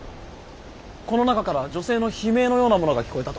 この中から女性の悲鳴のようなものが聞こえたと。